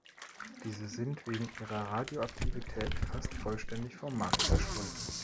Diese sind wegen ihrer Radioaktivität fast vollständig vom Markt verschwunden.